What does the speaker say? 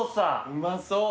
うまそう。